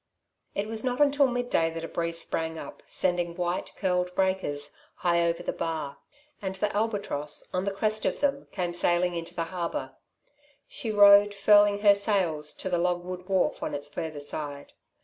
It was not until midday that a breeze sprang up, sending white, curled breakers high over the bar, and the Albatross on the crest of them came sailing into the harbour. She rode, furling her sails, to the log wood wharf on its further side.